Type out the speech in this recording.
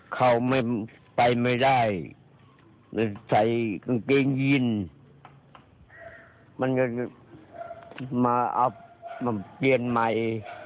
เค้าไปไม่ได้ใส่กางเกงยื่นมามาเอาเปลี่ยนใหม่